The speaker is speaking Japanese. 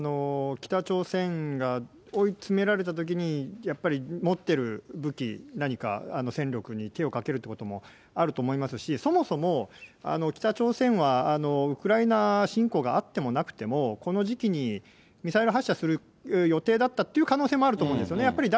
北朝鮮が追い詰められたときに、やっぱり持ってる武器、何か戦力に手をかけるということもあると思いますし、そもそも北朝鮮はウクライナ侵攻があってもなくても、この時期にミサイル発射する予定だったという可能性もあると思うんですよね。